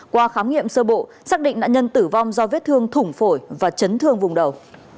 qua khám nghiệm sơ bộ xác định nạn nhân tử vong do vết thương thủng phổi và chấn thương vùng đầu